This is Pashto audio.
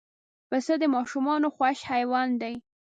پسه د ماشومانو خوښ حیوان دی.